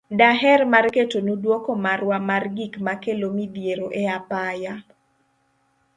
Daher mar ketonu duoko marwa mar gik makelo midhiero e apaya.